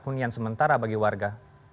hunian sementara bagi warga